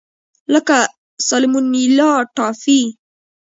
لکه سالمونیلا ټایفي.